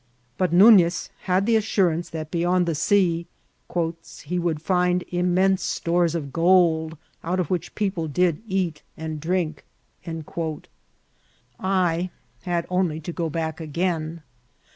But Nunez bad the as surance that beyond that sea " he would find immense stores of gold, out of which people did eat and drink." I had only to go back again.